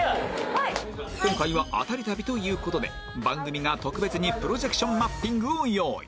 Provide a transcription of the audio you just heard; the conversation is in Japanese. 今回はアタリ旅という事で番組が特別にプロジェクションマッピングを用意